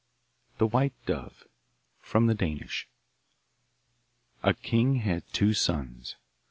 The White Dove From the Danish. A king had two sons.